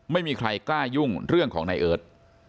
ไม่มีใครกล้ายุ่งเรื่องของนายเอิร์ท